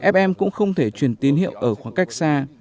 fm cũng không thể truyền tín hiệu ở khoảng cách xa